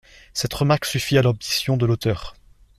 Cette remarque suffit à l’ambition de l’auteur.